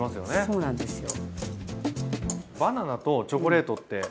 そうなんですよ。